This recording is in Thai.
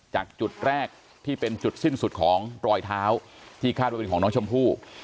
จากจุดแรกที่เป็นจุดสิ้นสุดของรอยเท้าที่คาดว่าเป็นของน้องชมพู่